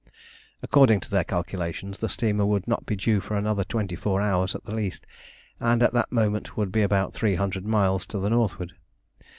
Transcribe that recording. According to their calculations, the steamer would not be due for another twenty four hours at the least, and at that moment would be about three hundred miles to the northward.